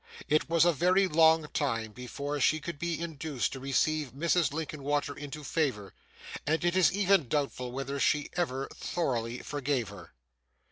It was a very long time before she could be induced to receive Mrs. Linkinwater into favour, and it is even doubtful whether she ever thoroughly forgave her.